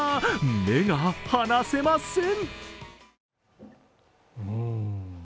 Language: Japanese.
目が離せません。